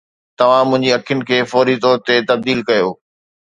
توهان منهنجي اکين کي فوري طور تي تبديل ڪيو